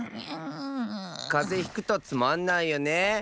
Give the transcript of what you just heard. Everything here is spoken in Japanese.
かぜひくとつまんないよね。